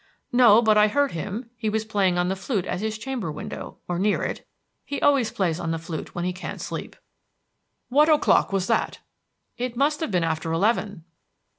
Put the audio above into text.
"No, but I heard him; he was playing on the flute at his chamber window, or near it. He always plays on the flute when he can't sleep." "What o'clock was that?" "It must have been after eleven."